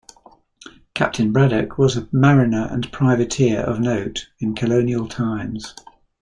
Captain Braddock was a mariner and privateer of note in Colonial times.